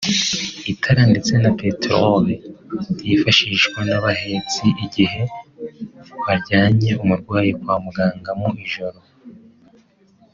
itara ndetse na peterori byifashishwa n’abahetsi igihe bajyanye umurwayi kwa muganga mu ijoro